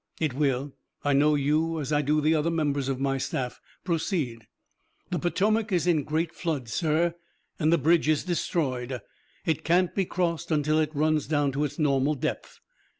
"It will. I know you, as I do the other members of my staff. Proceed." "The Potomac is in great flood, sir, and the bridge is destroyed. It can't be crossed until it runs down to its normal depth."